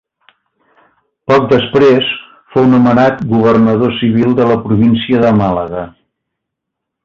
Poc després fou nomenat governador civil de la província de Màlaga.